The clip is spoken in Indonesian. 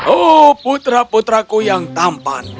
oh putra putra ku yang tampan